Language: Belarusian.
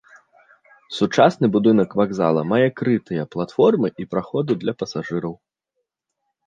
Сучасны будынак вакзала мае крытыя платформы і праходы для пасажыраў.